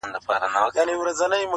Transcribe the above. هندو ژړل پياز ئې خوړل.